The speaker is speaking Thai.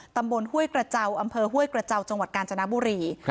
ห้วยกระเจ้าอำเภอห้วยกระเจ้าจังหวัดกาญจนบุรี